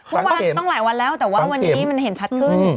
ทุกวันต้องหลายวันแล้วแต่ว่าวันนี้มันเห็นชัดขึ้น